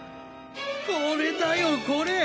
これだよこれ！